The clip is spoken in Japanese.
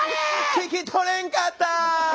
聞き取れんかった！